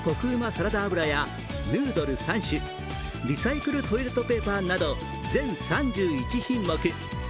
サラダ油やヌードル３種、リサイクルトイレットペーパーなど全３１品目。